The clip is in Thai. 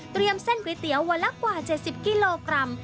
เส้นก๋วยเตี๋ยววันละกว่า๗๐กิโลกรัม